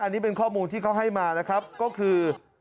อันนี้เป็นข้อมูลที่เขาให้มานะครับก็คือ